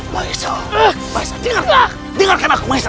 maesa maesa dengarkan aku maesa